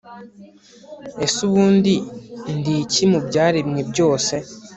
ese ubundi, ndi iki mu byaremwe byose